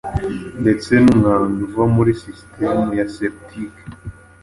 ndetse n’umwanda uva muri sisitemu ya septique,